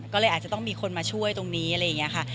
ก็เลยอาจจะต้องมีคนมาช่วยตรงนี้อะไรอย่างนี้ค่ะ